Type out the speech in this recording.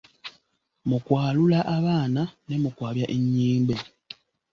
Mu kwalula abaana ne mu kwabya ennyimbe.